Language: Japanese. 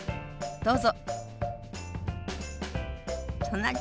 どうぞ。